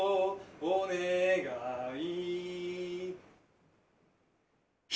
お願い。